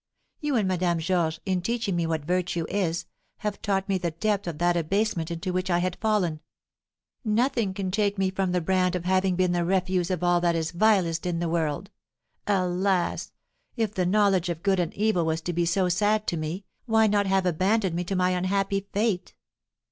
You and Madame Georges, in teaching me what virtue is, have taught me the depth of that abasement into which I had fallen; nothing can take from me the brand of having been the refuse of all that is vilest in the world. Alas! if the knowledge of good and evil was to be so sad to me, why not have abandoned me to my unhappy fate?"